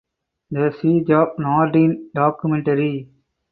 The Siege of Naarden (documentary)